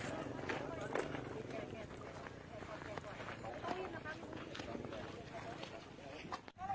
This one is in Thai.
สวัสดีทุกคน